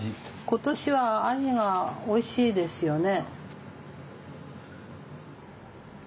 今年はあじがおいしいですよね。